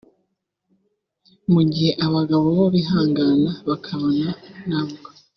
mu gihe abagabo bo bihangana bakabana nabwo